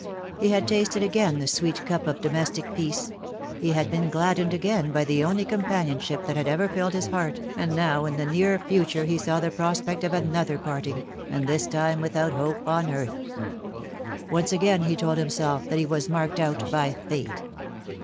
He had tasted again the sweet cup of domestic peace he had been gladdened again by the only companionship that had ever filled his heart, and now in the near future he saw the prospect of another parting, and this time without hope on earth. Once again he told himself that lie was marked out by Fate.